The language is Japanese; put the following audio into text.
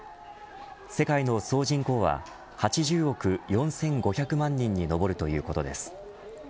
世界の総人口は８０億４５００万人に上るということです。